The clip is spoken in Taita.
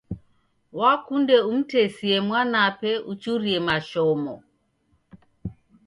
Wakunde umtesie mwanape uchurie mashomo.